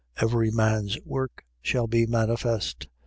Every man's work shall be manifest.